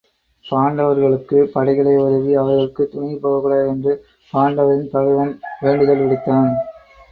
பாண்டவர்களுக்குப் படைகளை உதவி அவர்கட்குத் துணை போகக்கூடாது என்று பாண்டவரின் பகைவன் வேண்டுதல் விடுத்தான்.